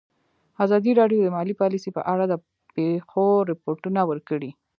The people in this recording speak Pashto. ازادي راډیو د مالي پالیسي په اړه د پېښو رپوټونه ورکړي.